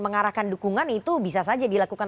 mengarahkan dukungan itu bisa saja dilakukan